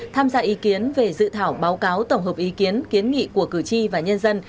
tham gia ý kiến về dự thảo báo cáo tổng hợp ý kiến kiến nghị của cử tri và nhân dân